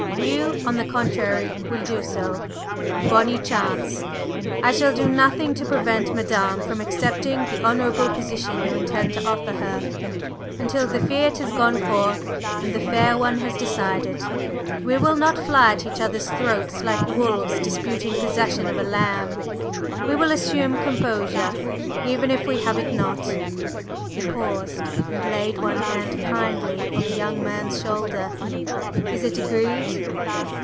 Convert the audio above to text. You, on the contrary, will do so. Bonne chance! I shall do nothing to prevent Madame from accepting the honorable position you intend to offer her. And till the fiat has gone forth and the fair one has decided, we will not fly at each other's throats like wolves disputing possession of a lamb; we will assume composure, even if we have it not." He paused, and laid one hand kindly on the younger man's shoulder, "Is it agreed?"